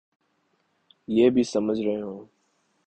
یہ بھی سمجھ رہے ہوں۔